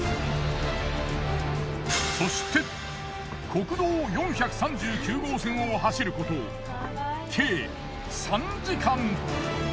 そして国道４３９号線を走ること計３時間。